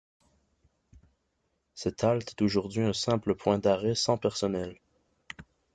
Cette halte est aujourd’hui un simple point d’arrêt sans personnel.